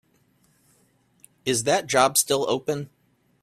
Is that job still open?